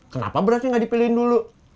kenapa berasnya gak dipilihin dulu